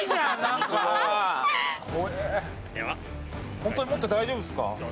ホントに持って大丈夫ですか？